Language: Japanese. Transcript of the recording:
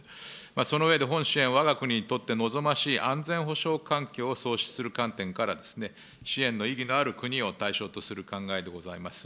その上で本支援はわが国にとって望ましい安全保障環境を創出する観点から、支援の意義のある国を対象とする考えでございます。